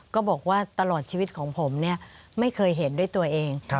ก็บอกว่าตลอดชีวิตของผมเนี่ยไม่เคยเห็นด้วยตัวเอง